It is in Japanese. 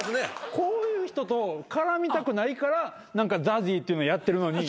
こういう人と絡みたくないからＺＡＺＹっていうのやってるのに。